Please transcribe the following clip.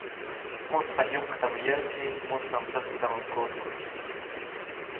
‒Muspa ʼyũktamä yäʼki, mujspa mdsäjktamä mguʼtkuʼy-.